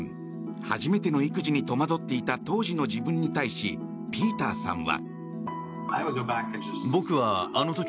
初めての育児に戸惑っていた当時の自分に対しピーターさんは。